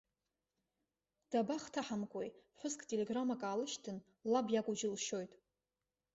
Дабахҭаҳамкуеи, ԥҳәыск телеграммак аалышьҭын, лаб иакәу џьылшьоит.